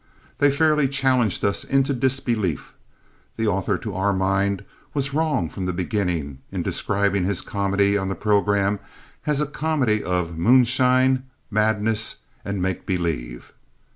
They fairly challenged us into disbelief. The author, to our mind, was wrong from the beginning in describing his comedy on the program as a comedy of "moonshine, madness and make believe."